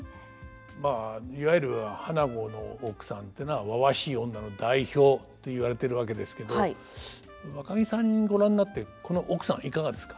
まあいわゆる「花子」の奥さんっていうのはわわしい女の代表と言われてるわけですけどわかぎさんご覧になってこの奥さんいかがですか？